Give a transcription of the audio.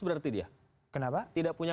berarti dia kenapa tidak punya